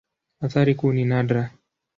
Athari kuu ni nadra.